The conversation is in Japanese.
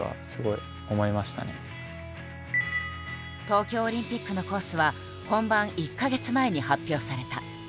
東京オリンピックのコースは本番１か月前に発表された。